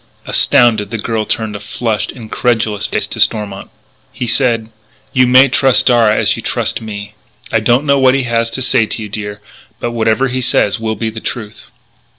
Astounded, the girl turned a flushed, incredulous face to Stormont. He said: "You may trust Darragh as you trust me. I don't know what he has to say to you, dear. But whatever he says will be the truth."